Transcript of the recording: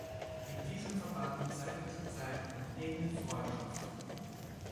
Mit diesem verband ihn seit dieser Zeit eine enge Freundschaft.